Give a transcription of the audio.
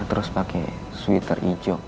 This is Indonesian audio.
terus pake sweater hijau